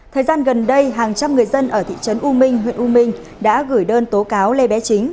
thời gian gần đây hàng trăm người dân ở thị trấn u minh huyện u minh đã gửi đơn tố cáo lê bé chính